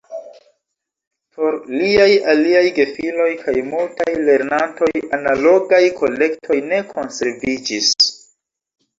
Por liaj aliaj gefiloj kaj multaj lernantoj analogaj kolektoj ne konserviĝis.